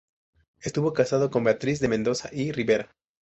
Estuvo casado con Beatriz de Mendoza y Ribera.